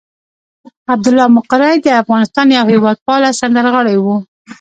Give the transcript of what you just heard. عبدالله مقری د افغانستان یو هېواد پاله سندرغاړی وو.